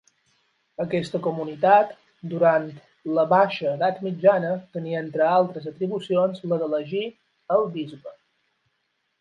Aquesta comunitat, durant la baixa edat mitjana, tenia entre altres atribucions la d'elegir el bisbe.